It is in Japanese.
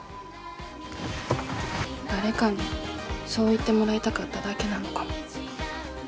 誰かにそう言ってもらいたかっただけなのかも。